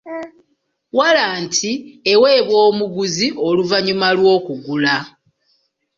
Walanti eweebwa omuguzi oluvannyuma lw'okugula .